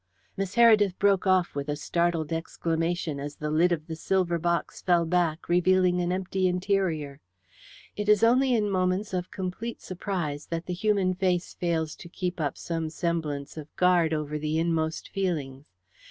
Miss Heredith broke off with a startled exclamation as the lid of the silver box fell back, revealing an empty interior. It is only in moments of complete surprise that the human face fails to keep up some semblance of guard over the inmost feelings.